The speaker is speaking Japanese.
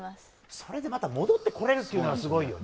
それでまた戻ってこれるというのがすごいよね。